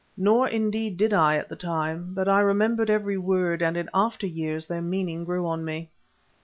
Nor, indeed, did I at the time, but I remembered every word, and in after years their meaning grew on me.